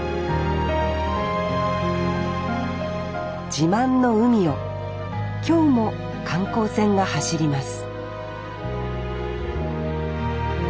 自慢の海を今日も観光船が走ります